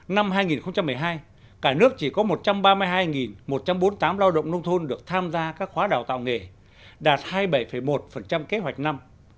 năm hai nghìn một mươi hai cả nước chỉ có một trăm ba mươi hai một trăm bốn mươi tám lao động nông thôn được tham gia các khóa đào tạo nghề đạt hai mươi bảy một kế hoạch năm